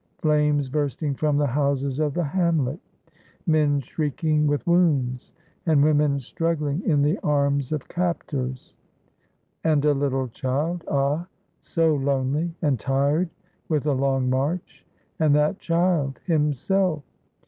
Flames bursting from the houses of the hamlet! Men shrieking with wounds, and women struggling in the arms of captors! And a little child, ah, so lonely and tired with a long march ! and that child — himself